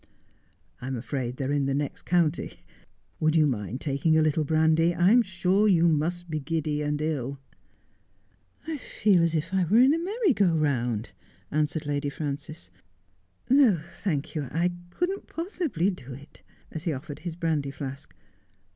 ' I'm afraid they're in the next county. Would you mind taking a little brandy ? I'm sure you must be giddy and ill.' ' I feel as if I were in a merry go round,' answered Lady Frances. ' No, thank you ; I couldn't possibly do it,' as he offered his brandy flask.